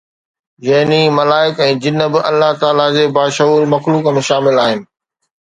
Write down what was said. يعني ملائڪ ۽ جن به الله تعاليٰ جي باشعور مخلوق ۾ شامل آهن